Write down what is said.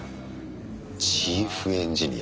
チーフエンジニア。